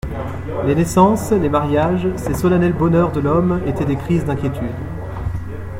Les naissances, les mariages, ces solennels bonheurs de l'homme, étaient des crises d'inquiétude.